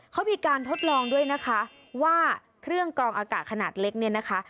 เขามีการทดลองด้วยนะคะว่าเครื่องกรองอากาศขนาดเล็กเนี่ยนะคะ